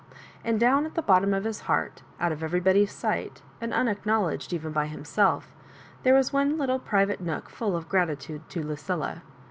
And down at the bottom of his heart, out of everybody's sight, and unacknowledged even by himself, there was one little private nook full of gratitude to Lucilla.